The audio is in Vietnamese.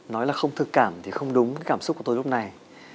nói là không thực cảm thì không đúng cảm xúc của tôi lúc này